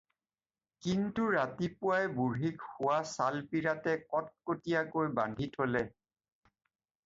কিন্তু ৰাতিপুৱাই বুঢ়ীক শোৱা চালপীৰাতে কট্কটীয়াকৈ বান্ধি থ'লে।